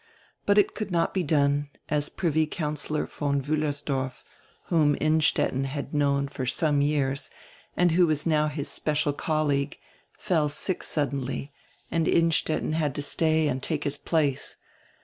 But it could not be done, as Privy Councillor von Wiillersdorf, whom Innstetten had known for some time and who was now his special colleague, fell sick suddenly and Innstetten had to stay and take his place.